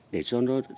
để cho nó